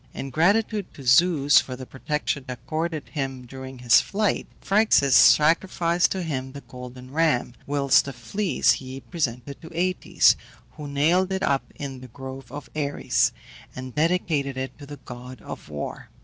In gratitude to Zeus for the protection accorded him during his flight, Phryxus sacrificed to him the golden ram, whilst the fleece he presented to Aëtes, who nailed it up in the Grove of Ares, and dedicated it to the god of War.